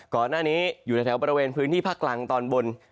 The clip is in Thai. ก่อนหน้านี้อยู่ในแถวบริเวณพื้นที่ภาคกลางตอนบน